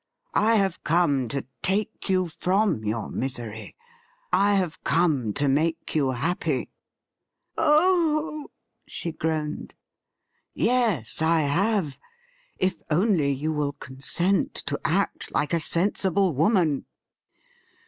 I have come to take you from your misery I have come to make you happy.' ' Oh !' she groaned. ' Yes, I have — if only you will consent to act like a sensible woman.'